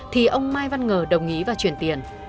thì ông mai văn ngờ đồng ý và chuyển tiền